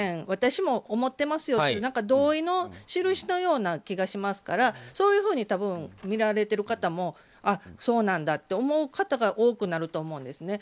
私も思ってますよという同意の印のような気がしますから、そういうふうに見られている方もそうなんだって思う方が多くなると思うんです。